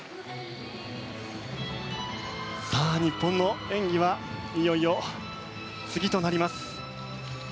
さあ、日本の演技はいよいよ次となります。